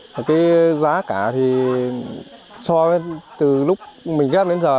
và cái giá cả thì so với từ lúc mình ghép đến giờ